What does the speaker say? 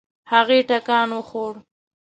هغې ټکان وخوړ.